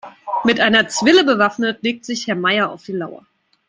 Mit einer Zwille bewaffnet legt sich Herr Meier auf die Lauer.